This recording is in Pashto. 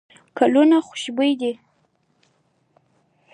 ګلونه خوشبوي دي.